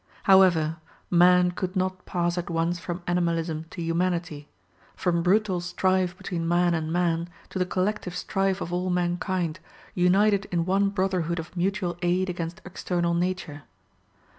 However, man could not pass at once from animalism to humanity; from brutal strife between man and man to the collective strife of all mankind, united in one brotherhood of mutual aid against external nature.